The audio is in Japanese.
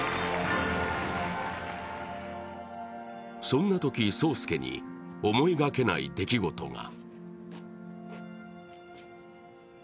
そんなとき、霜介に思いがけない出来事が。